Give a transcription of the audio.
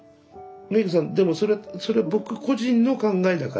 ｍｅｇｕさんでもそれそれ僕個人の考えだから。